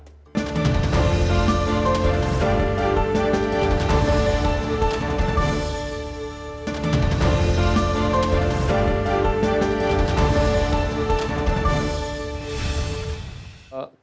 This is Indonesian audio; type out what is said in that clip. jadi itu yang paling menarik